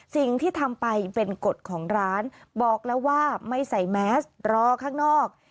สิ่งที่ทำไปเป็นกฎของร้านบอกแล้วว่าไม่ใส่แมสรอข้างนอก